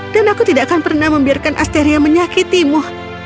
dan aku tidak akan pernah membiarkan asteria menyakitimu